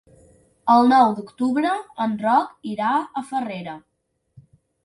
El nou d'octubre en Roc irà a Farrera.